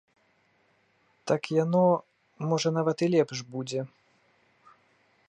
Так яно, можа, нават і лепш будзе.